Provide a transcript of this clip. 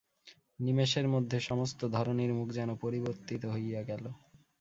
নিমেষের মধ্যে সমস্ত ধরণীর মুখ যেন পরিবর্তিত হইয়া গেল।